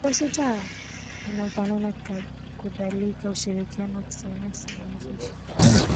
yanayofanana Kadhalika ushirikiano wa kisayansi umeanzishwa